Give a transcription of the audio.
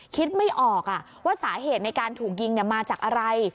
คิดไม่ออกว่าสาเหตุในการถูกยิงมาจากอะไร